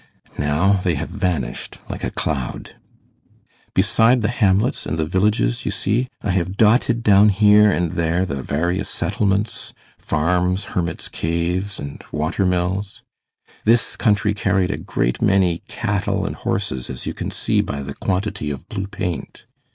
Now they have vanished like a cloud. Beside the hamlets and villages, you see, I have dotted down here and there the various settlements, farms, hermit's caves, and water mills. This country carried a great many cattle and horses, as you can see by the quantity of blue paint.